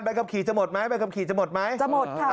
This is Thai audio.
ขับขี่จะหมดไหมใบขับขี่จะหมดไหมจะหมดค่ะ